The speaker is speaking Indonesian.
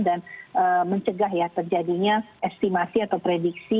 dan mencegah ya terjadinya estimasi atau prediksi